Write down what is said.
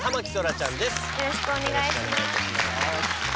よろしくお願いします。